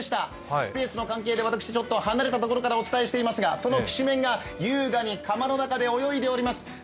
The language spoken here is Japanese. スペースの関係で、私ちょっと離れた所からお伝えしていますがそのきしめんが優雅に釜の中で泳いでおります。